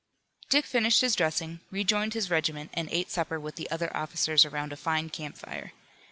Dick finished his dressing, rejoined his regiment and ate supper with the other officers around a fine camp fire.